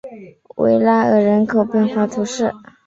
维拉尔人口变化图示